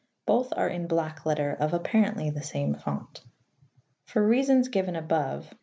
Both are in black letter of apparently the same font. For reasons given above (p.